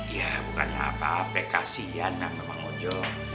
ya bukannya apa apa kasian ya bang wajo